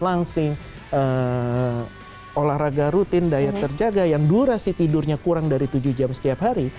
langsing olahraga rutin diet terjaga yang durasi tidurnya kurang dari tujuh jam setiap hari